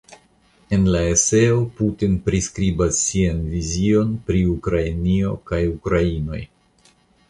En la eseo Putin priskribas sian vizion pri Ukrainio kaj ukrainoj.